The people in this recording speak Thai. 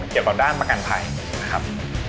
เกี่ยวกับด้านประกันภัยนะครับ